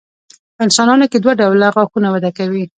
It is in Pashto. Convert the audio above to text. په انسانانو کې دوه ډوله غاښونه وده کوي.